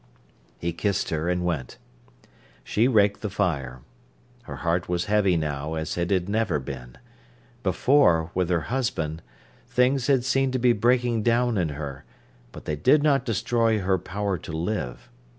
He kissed her, and went. She raked the fire. Her heart was heavy now as it had never been. Before, with her husband, things had seemed to be breaking down in her, but they did not destroy her power to live.